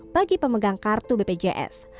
bagi pemegang kartu bpjs